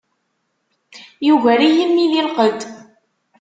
Yugar-iyi mmi di lqedd.